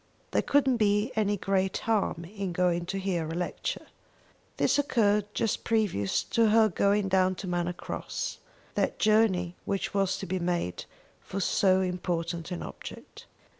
There couldn't be any great harm in going to hear a lecture." This occurred just previous to her going down to Manor Cross, that journey which was to be made for so important an object.